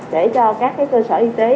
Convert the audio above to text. để cho các cơ sở y tế